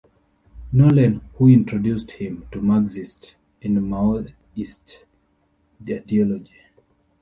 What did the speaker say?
Nolen who introduced him to Marxist and Maoist ideology.